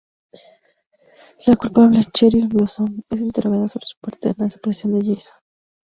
La "culpable" Cheryl Blossom es interrogada sobre su parte en la desaparición de Jason.